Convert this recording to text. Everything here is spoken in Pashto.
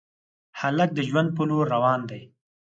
هلک د ژوند په لور روان دی.